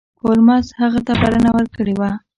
هولمز هغه ته بلنه ورکړې وه.